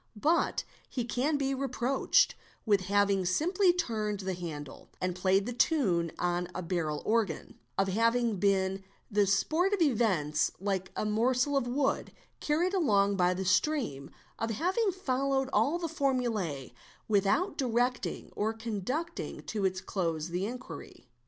But he can be reproached with having simply turned the handle and played the tune on a barrel organ, of having been the sport of events like a morsel of wood carried along by the stream, of having followed all the formule without directing or conducting to its close the inquiry.